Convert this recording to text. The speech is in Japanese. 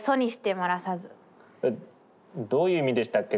どういう意味でしたっけ